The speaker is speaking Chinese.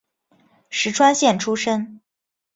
石川县出身。